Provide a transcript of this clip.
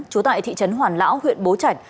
chú tại thị trấn hoàn lão huyện bố trạch